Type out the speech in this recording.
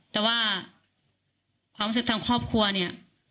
แต่ว่าความรู้สึกทางครอบครัวเนี่ย